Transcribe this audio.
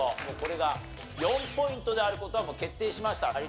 もうこれが４ポイントである事はもう決定しました。